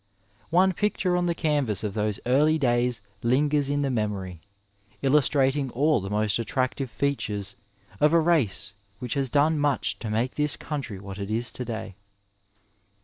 On^ picture on the canvas of those early days lingers in the memory, illustrating all the most attractive features of a race which has done much to make this country what it is to day.